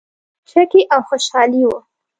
چکې او خوشحالي وه.